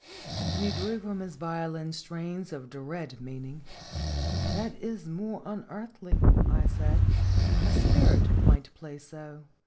And he drew from his violin strains of dread meaning. "That is more unearthly," I said; "a spirit might play so."